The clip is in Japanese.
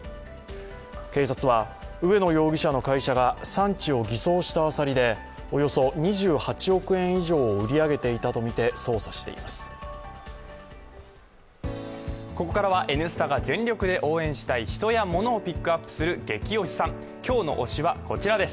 警察は、植野容疑者の会社が産地を偽装したアサリでおよそ２８億円以上を売り上げていたとみて捜査しています。